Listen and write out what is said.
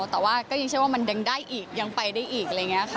แต่ว่ายังใช่ว่ามันเด็งได้อีกยังไปได้อีก